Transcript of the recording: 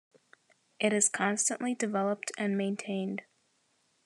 It is constantly developed and maintained.